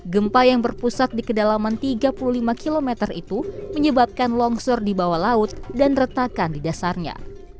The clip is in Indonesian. gempa yang berpusat di kedalaman tiga puluh lima km itu menyebabkan longsor di bawah laut dan retakan di dasarnya